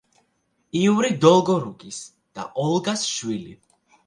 იური დოლგორუკის და ოლგას შვილი.